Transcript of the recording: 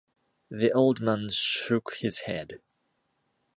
The old man shook his head.